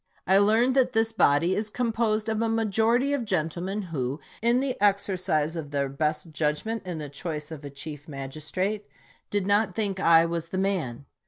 I learn that this body is composed of a majority of gentlemen who, in the exercise of their best judgment in the choice of a chief magistrate, did not think I was the man.